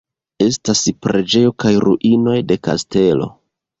Estas preĝejo kaj ruinoj de kastelo.